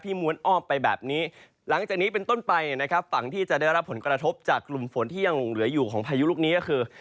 ม้วนอ้อมไปแบบนี้หลังจากนี้เป็นต้นไปนะครับฝั่งที่จะได้รับผลกระทบจากกลุ่มฝนที่ยังเหลืออยู่ของพายุลูกนี้ก็คือ